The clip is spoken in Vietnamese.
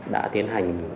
đã tiến hành